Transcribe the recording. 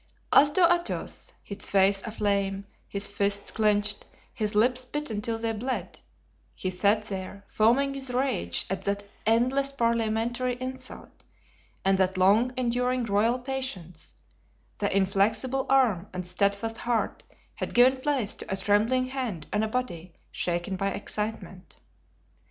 As to Athos, his face aflame, his fists clinched, his lips bitten till they bled, he sat there foaming with rage at that endless parliamentary insult and that long enduring royal patience; the inflexible arm and steadfast heart had given place to a trembling hand and a body shaken by excitement.